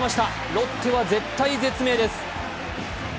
ロッテは絶体絶命です。